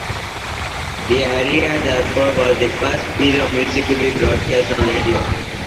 The aria therefore was the first piece of music to be broadcast on radio.